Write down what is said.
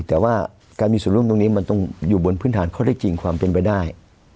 แต่ว่าการมีส่วนร่วมตรงนี้มันต้องอยู่บนพื้นฐานข้อได้จริงความเป็นไปได้